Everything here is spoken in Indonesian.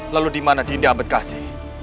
lalu dimana dinda ambedkasi